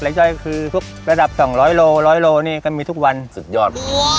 หลายย่อยคือทุกระดับสองร้อยโลร้อยโลนี่ก็มีทุกวันสุดยอด